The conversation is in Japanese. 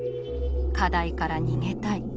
課題から逃げたい。